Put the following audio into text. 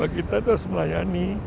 kita harus melayani